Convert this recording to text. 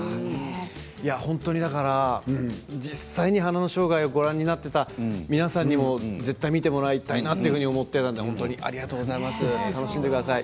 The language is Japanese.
本当にだから実際に「花の生涯」をご覧になっていた皆さんにも絶対見てもらいたいなと思っていたので本当にありがとうございます。